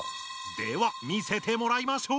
では見せてもらいましょう。